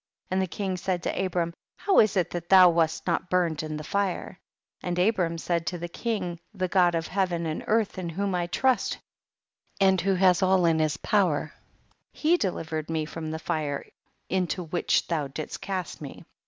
34. And the king said to Abram, how is it that thou wast not burned in the fire ? 35. And Abram said to the king, the God of heaven and earth in whom I trust and who has all in his power, he delivered me from the fire into which thou didst cast me.